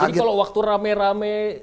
jadi kalau waktu rame rame